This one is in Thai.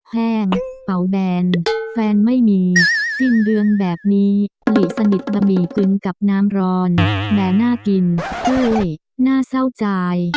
แห้งเป่าแดนแฟนไม่มีสิ้นเดือนแบบนี้หลีสนิทบะหมี่กึงกับน้ำร้อนแหมน่ากินเฮ้ยน่าเศร้าใจ